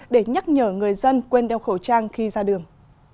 để nhắc nhở người dân quên đeo khẩu trang khi ra đường